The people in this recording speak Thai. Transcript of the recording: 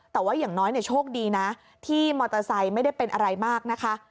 แต่ว่าอย่างน้อยโชคดีนะที่มอเตอร์ไซค์ไม่ได้เป็นอะไรมากนะคะ